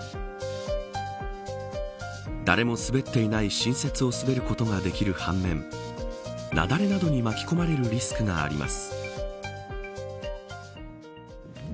誰も滑っていない新雪を滑ることができる反面雪崩などに巻き込まれるリスクがあります。